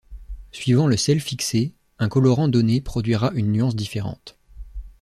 Suivant le sel fixé, un colorant donné produira une nuance différente.